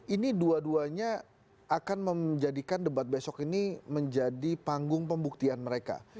ini dua duanya akan menjadikan debat besok ini menjadi panggung pembuktian mereka